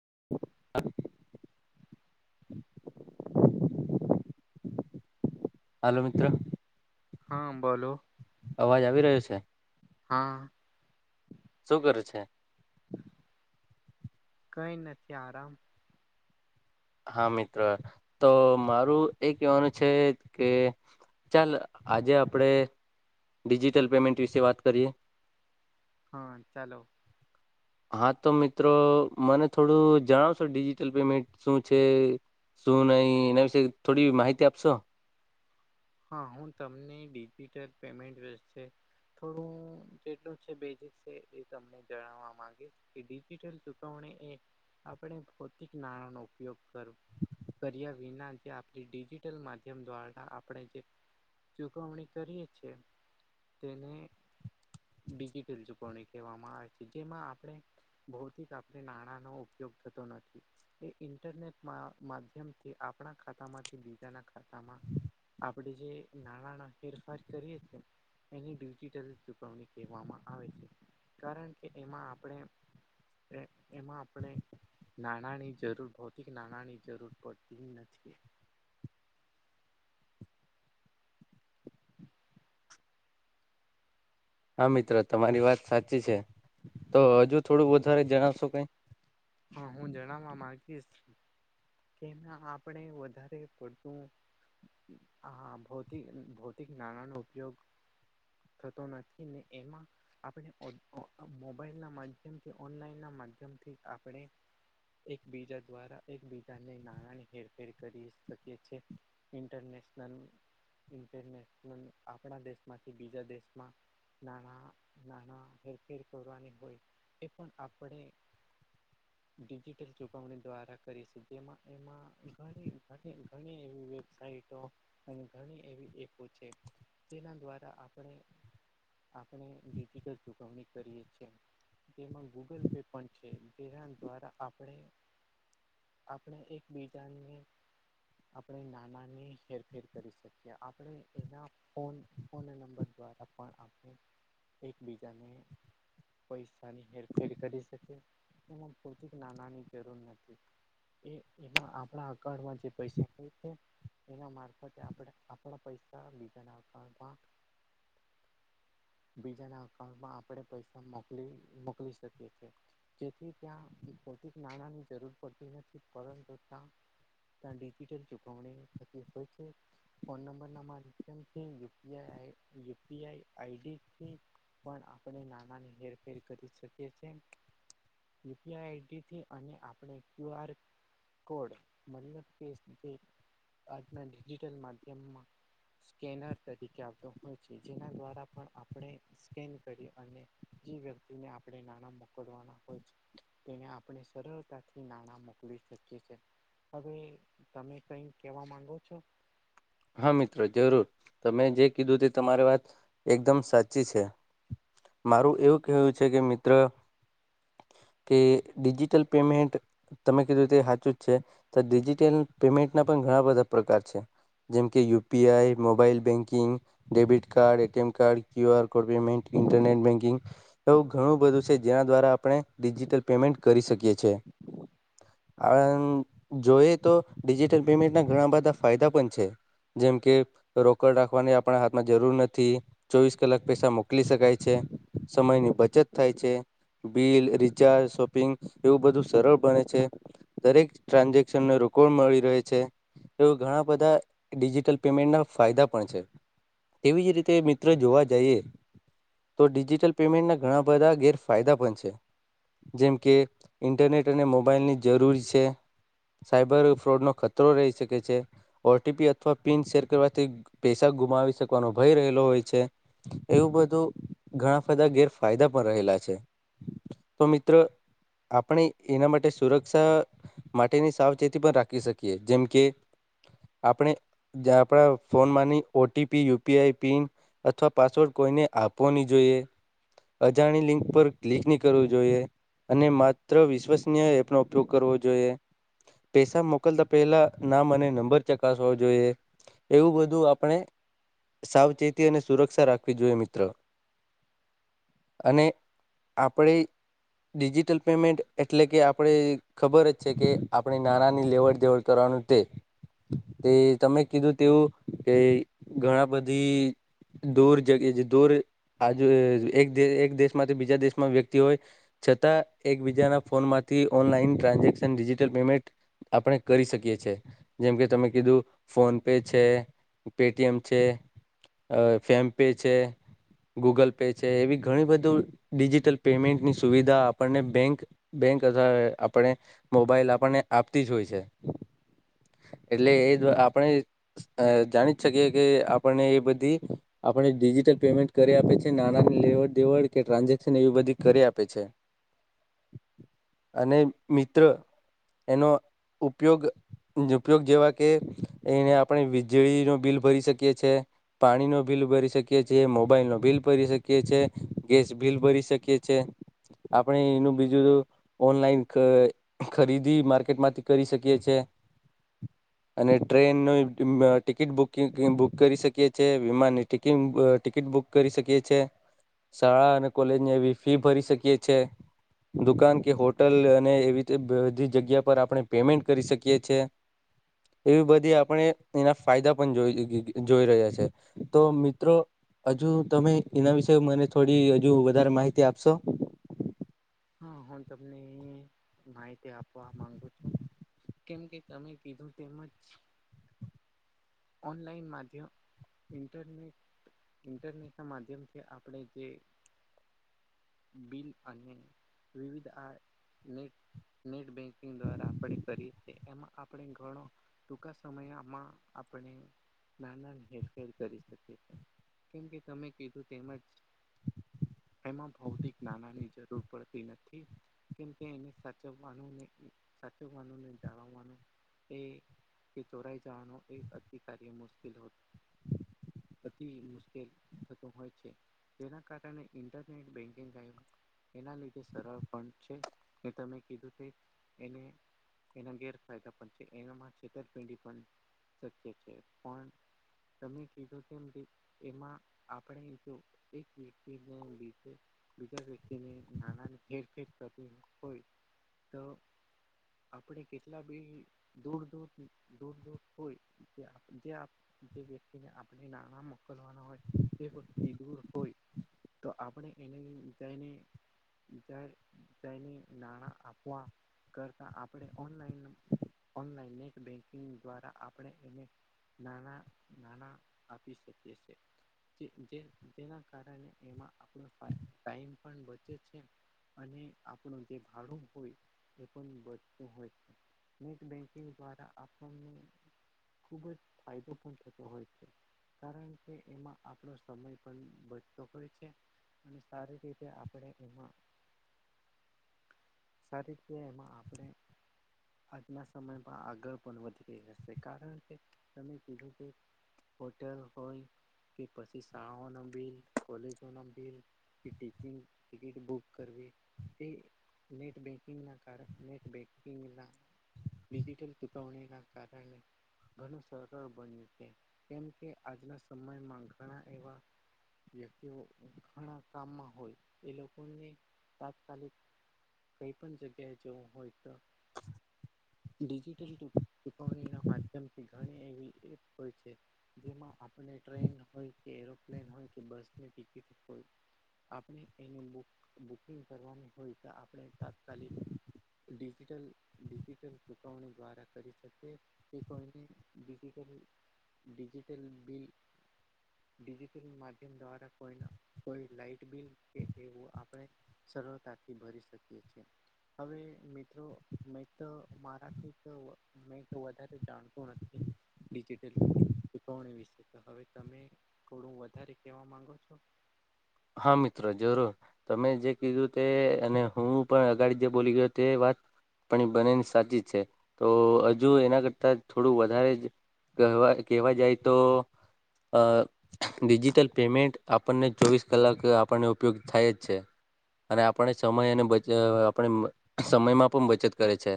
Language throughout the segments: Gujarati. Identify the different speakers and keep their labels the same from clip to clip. Speaker 1: [inaudible] હાલ મિત્રો.
Speaker 2: હા બોલો.
Speaker 1: અવાજ આવી રહ્યો છે?
Speaker 2: હા.
Speaker 1: શું કરે છે?
Speaker 2: કઈ નથી આરામ.
Speaker 1: હા મિત્ર તો મારું એ કહેવાનું છે કે ચાલ આજે આપણે ડિજિટલ પેમેન્ટ વિશે વાત કરીએ.
Speaker 2: હા ચાલો.
Speaker 1: હા તો મિત્રો મને થોડું જણાવશો ડિજિટલ પેમેન્ટ શું છે. શું નહી એના વિશે થોડી માહિતી આપશો?
Speaker 2: હા. હું તમને ડિજિટલ પેમેન્ટ વ થોડું જેટલું છે. બેઝિક છે. એ તમને જણાવવા માંગી કે ડિજિટલ ચૂકવણી એ આપણે ભૌતિક નાણાંનો ઉપયોગ કરવો. કરિયા વિના જે આપડી ડિજિટલ માધ્યમ દ્વારા આપણે જે ચુકવણી કરીએ છીએ તેને ડિજિટલ ચુકવણી કહેવામાં આવે છે. જેમાં આપણે ભૌતિક આપણે નાણાંનો ઉપયોગ થતો નથી. એ ઇન્ટરનેટ માધ્યમથી આપણા ખાતામાંથી બીજાના ખાતામાં આપણેે જે નાણાના ફેરફાર કરીએ છીએ એની ડિજિટલ ચુકવણી કહેવામાં આવે છે. કારણ કે એમાં આપણે કે એમાં આપણે નાણાંની જરૂર ભૌતિક નાણાંની જરૂર પડતી નથી. [inaudible]
Speaker 1: હા મિત્ર તમારી વાત સાચી છે. તો હજુ થોડું વધારે જણાવશો કઈ
Speaker 2: હા. હું જણાવવા માંગીશ કે આપણે વધારે પડતું હ ભૌત ભૌતિક નાણાંનો ઉપયોગ થતો નથી ને એમાં આપણે મોબાઈલના માધ્યમથી ઓનલાઈનના માધ્યમથી આપણે - એકબીજા દ્વારા એકબીજાને નાણાની હેરફેર કરી શકીએ છે. ઇન્ટરનેશનલ ઇન્ટરનેશનલ આપણા દેશમાંથી બીજા દેશમાં નાણા નાણાં હેરફેર કરવાની હોય એ પણ આપણે ડિજિટલ ચુકવણી દ્વારા કરી છે. જેમાં એમાં ઘણી ઘણી એવી [unintelligible] ઘણી એ છે. તેના દ્વારા આપણે આપણે ડિજિટલ ચુકવણી કરીએ છીએ. તેમાં ગૂગલ પે પણ છે. દ્વારા આપણે આપણે એકબીજાને આપણે નાણાને હેરફેર કરી શકીએ આપણે એના ફોન ફોન નંબર દ્વારા પણ આપણે એકબીજાને પૈસાની હેરફેર કરી શકે. હમ્મ પરતી નાનાની જરૂર નથી. એ એમાં આપણા અઉન્ટમાં જે પૈસા હોય છે. એના મારફતે આપણે આપણા પૈસા બીજાના અઉન્ટમાં બીજાના અકાઉન્ટમાં આપણે પૈસા મોકલી મોકલી શકીએ છીએ જેથી ત્યાં ખોટી નાણાંની જરૂર પડતી નથી પરંતુ ત્યાં ત્યાં ડિજિટલ ચુકવણી થકી હોય છે ફોન નંબર ના માધ્યમથી યુપીઆઈ આઈડીથી પણ આપણે નાણા ની હેરફેર કરી શકીએ છીએ. યુપીઆઈ આઈડી થી અને આપણે ક્યુ આર કોડ મતલબ કે જે આજના ડિજિટલ માધ્યમમાં સ્કેનર તરીકે આવતો હોય છે જેના દ્વારા પણ આપણે સ્કેન કરી અને જે વ્યક્તિને આપણે નાણાં મોકલવાના હોય છે તેને આપણે સરળતાથી નાણાં મોકલી શકીએ છે. હવે, તમે કઈક કેવા માંગો છો?
Speaker 1: હા મિત્રો જરૂર તમે જે કીધું તે તમારી વાત એકદમ સાચી છે. મારું એવું કહેવું છે કે મિત્ર કે ડિજિટલ પેમેન્ટ તમે કીધું તે સાચું જ છે તો ડિજિટલ પેમેન્ટના પણ ઘણા બધા પ્રકાર છે. જેમકે UPI mobile banking debit card ATM card Q R code payment, internet banking એવું ઘણું બધું છે, જેના દ્વારા આપણે ડિજિટલ પેમેન્ટ કરી શકીએ છે. અન, જોઈએ તો ડિજિટલ પેમેન્ટના ઘણા બધા ફાયદા પણ છે. જેમ કે, રોકડ રાખવાની આપણા હાથમાં જરૂર નથી ચોવીસ કલાક પૈસા મોકલી શકાય છે, સમયની બચત થાય છે બિલ, રિચાર્જ, શોપિંગ એવું બધું સરળ બને છે દરેક ટ્રાન્ઝેક્શનને રોકોડો મળી રહે છે, એવુ ઘણા બધા ડિજિટલ પેમેન્ટના ફાયદા પણ છે. તેવી જ રીતે મિત્ર જોવા જઈએ તો ડિજિટલ પેમેન્ટના ઘણા બધા ગેરફાયદા પણ છે. જેમ કે ઇન્ટરનેટ અને મોબાઈલની જરૂર છે સાયબર ઓર ફ્રોડનો ખતરો રહી શકે છે, ઓટીપી અ થવા પિન શેર કરવાથી પૈસા ગુમાવી શકવાનો ભય રહેલો હોય છે એવું બધું ઘણા ફાયદા ગેરફાયદા પણ રહેલા છે. તો મિત્ર આપણે એના માટે સુરક્ષા માટેની સાવચેતી પણ રાખી શકીએ જેમ કે, આપણે જ આપડા ફોનમાંની ઓટીપી, યુપીઆઈ પિન અથવા પાસવર્ડ કોઈને આપવો ની જોઈએ અજાણી લિંક પર ક્લિક ની કરવું જોઈએ અને માત્ર વિશ્વસનીય એપનો ઉપયોગ કરવો જોઈએ પેસા મોકલતા પહેલા નામ અને નંબર ચકાસ જોઈએ, એવું બધું આપણે સાવચેતી અને સુરક્ષા રાખવી જોઈએ મિત્ર. અને આપડે ડિજિટલ પેમેન્ટ એટલે કે આપડે ખબર જ છે કે આપણે નાણાની લેવડ-દેવડ કરવાનું તે. તે તમે કીધું તેવું કે ઘણા બધી દૂર જગ જે દૂર આજ એક એક દેશમાંથી બીજા દેશમાં વ્યક્તિ હોય છતાં એકબીજાના ફોનમાંથી ઓનલાઈન ટ્રાન્ઝેક્શન, ડિજિટલ પેમેન્ટ આપણે કરી શકીએ છીએ, જેમ કે તમે કીધું ફોન પે છે, પેટીએમ છે અ ફેમ પે છે ગૂગલ પે છે એવી ઘણી બધુ ડિજિટલ પેમેન્ટની સુવિધા આપણને બેંક બેંક અથવા આપણે મોબાઈલ આપડને આપતી જ હોય છે. એટલે એ જ આપણે અ જાણી જ શકીએ કે આપણને એ બધી આપણે ડિજિટલ પેમેન્ટ કરી આપે છે, નાણાની લેવડ-દેવડ કે ટ્રાન્ઝેક્શન એવી બધી કરી આપે છે. [inaudible] અને મિત્ર એનો ઉપયોગ જ ઉપયોગ જેવા કે, એને આપણે વીજળીનું બિલ ભરી શકીએ છે પાણીનો બિલ ભરી શકીએ છે, મોબાઈલનો બિલ ભરી શકીએ છે, ગેસ બિલ ભરી શકીએ છે. આપે એનું બીજું ઓનલાઈન ખરીદી માર્કેટ માંથી કરી શકીએ છ છેએ અને ટ્રેન ન ટિકિટ બુક કરી શકી છીએ વિમાનની ટટ કેમ ટિકિટ બુક કરી શકીએ છે શાળા અને કોલેજ ને એવી ફી ભરી શકીએ છ છે દુકાન કે હોટલ અને એવી રીતે બધી જગ્યા પર આપણે પેમેન્ટ કરી શકીએ છે. એવી બધી આપણે એના ફાયદા પણ જોઈ જોઈ રહ્યા છે, તો મિત્રો હજુ તમે એના વિશે મને થોડી હજુ વધારે માહિતી આપશો?
Speaker 2: હા, હું તમને માહિતી આપવા માંગુ છું. કેમ કે તમે કીધું તેમ જ ઓનલાઈન માધ્યમ, ઇન્ટરનેટ ઈન્ટરનેટના માધ્યમથી આપણે જે બિલ અને વિવિધ આ નેટ નેટ બેંક કિંગ દ્વારા આપણે કરીએ છીએ એમાં આપણે ઘણો ટૂંકા સમયમાં આપણે નાના હેરફેર કરી શકીએી કેમ કે તમે કીધું તેમજ એમાં ભૌતિક નાનાની જરૂર પડતી નથી કેમ કે એને સચને સાચનને જાણવાનું એ કે ચોરાઈ જવાનો એક અધિકારી્ય મુશ્કેલ હોત અતિ મુશ્કેલ થતું હોય છે જેના કારણે ઇન્ટરનેટ બેન્કિંગ ક્યું એના લીધે સરળ પણ છે એ તમે કીધું કે એને એના ગેરફાયદા પણ છે એનામાં છેતરપિંડી પણ શક્ય છે પણ તમે કીધું કેમ કે એમાં આપણે જો એક વ્યક્તિને લીે બીજા વ્યક્તિને નાનાની ફેરફેર કરતી હોય તો આપણે કેટલા બી દૂર દૂર દૂર દૂર હોય વ્યક્તિને આપણે નામાં મોકલવાના હોય તે વક્તિ દૂર હોય તો આપણે એને જઈને જ જને નાણાં આપવા કરતા આપણે ઓનલાઈન ઓનલાઈન નેટ બેંકિંગ દ્વારા આપ આપણે એને નાના નાના આપી શકીએ છે જેના કારણે એમાં આપણ ટાઈમ પણ બચે છે અને આપણું જે ભાડું હોય એ પણ બચતું હોય નેટ બેંકિંગ દ્વારા આપણને ખુબ જ ફાયદા પણંધ થ હોય છે કારણ કે એમાં આપણો સમય પણ વધચતો હોય છે અને સારી રીતે આપણે એમાં
Speaker 1: [inaudible]
Speaker 2: સારી છે એમાં આપડે આજના સમયમાં આગળ પણ વધી રહ્યા કારણ કે તમે કીધું કે હોટેલ હોય કે પછી શાળાઓ ના બિલ કોલેજો ના બિલ. કે ટિકિંગ ટિકિટ બુક કરવી. તે નેટબેંકિંગના કારણ નેટબેકિંગના ડિજિટલ ચુકવણીના કારણે ઘણું સરળ બન્યું છે કેમ કે આજના સમયમાં ઘણા એવા વ્યક્તિઓ ઘણા કામમાં હોય એ લોકોને તાત્કાલિક કઈ પણ જગ્યાએ જેવું હોય તો ડિજિટલ ચૂક ચુકવણીના માધ્યમથી ઘણી એવી એપ હોય છે. જેમાં આપણે ટ્રેન હોય કે એરોપ્લેન હોય કે બસની ટિકિટ હોય. આપણે એને બુક બુકિંગ કરવાનું હોય તો આપણે તાત્કાલિક ડિજિટલ ડિજિટલ ચૂકવણી દ્વારા કરી શકીએ. તે કારને ડિજિટલ ડિજિટલ બિલ ડિજિટલ માધ્યમ દ્વારા કોઈના કોઈ લાઈટ બિલ કે એવું આપણે સરળતાથી ભરી શકીએ છે. હવે મિત્રો મેં તો મારા કઈક મેં તો વધારે જાણતું નથી. ડિજિટલ ચૂક ચૂકવણી વિશે તો હવે તમે થોડું વધારે કહેવા માંગો છો.
Speaker 1: હા મિત્ર જરૂર. તમે જે કીધું તે અને હું પણ અગાડી જે બોલી ગયો તે વાત પણ બનેની સાચી છે તો હજુ એના કરતા થોડું વધારે જ કહેવા કેવા જાય તો. અ ડિજિટલ પેમેન્ટ આપણને ચોવીસ કલાક આપણને ઉપયોગ થાય જ છે. અને આપણે સમય અને બચ આપણે સમયમાં પણ બચત કરે છે.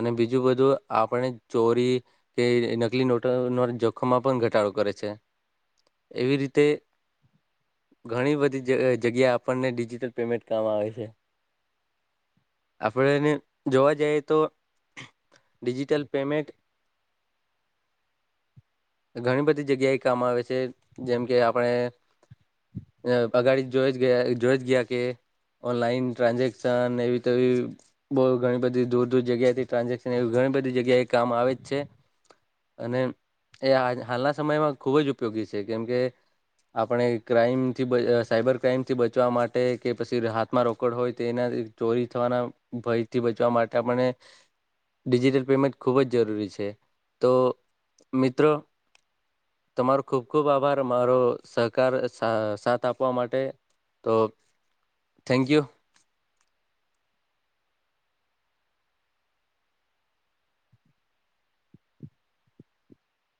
Speaker 1: અને બીજું બધું આપણે ચોરી કે નકલી નોટો જોખમમાં પણ ઘટાડો કરે છે એવી રીતે
Speaker 2: [inaudible]
Speaker 1: ઘણી બધી જે જગ્યા આપણને ડિજિટલ પેમેન્ટ કામ આવે છે. આપડેને જોવા જાઈએ તો ડીજિટલ પેમેન્ટ ઘણી બધી જગ્યા એ કામ આવે છે જેમ કે આપણે અ બગાડી જોજ ગયા જોજ ગયા કે ઓનલાઇન ટ્રાન્ઝેક્શન એવી તો ઈ બહુ ઘણી બધી દૂર દૂર જગ્યાથી ટ્રાન્ઝેક્શન એવી ઘણી બધી જગ્યા એ કામ આવે જ છે. અને એ હાલના સમયમાં ખૂબ જ ઉપયોગી છે કેમકે આપણે ક્રાઈમથી બ સાયબર ક્રાઈમથી બચવા માટે કે પછી હાથમાં રોકડ હોય તો એનાથી ચોરી થવાના ભયથી બચવા માટે આપણે ડિજિટલ પેમેન્ટ ખૂબ જ જરૂરી છે તો મિત્રો તમારો ખુબ ખુબ આભાર મારો સહકાર સા સાથ આપવા માટે તો થેન્ક યુ.